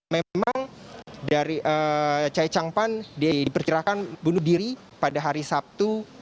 memang dari chai chang pan diperkirakan bunuh diri pada hari sabtu